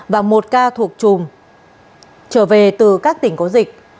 và một ca thuộc chùm trở về từ các tỉnh có dịch